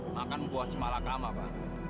makan buah semalakama